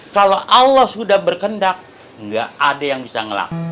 kalau allah sudah berkendak nggak ada yang bisa ngelak